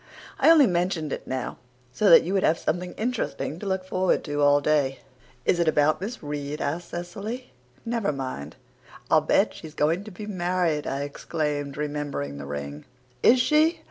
I only mentioned it now so that you would have something interesting to look forward to all day." "Is it about Miss Reade?" asked Cecily. "Never mind." "I'll bet she's going to be married," I exclaimed, remembering the ring. "Is she?"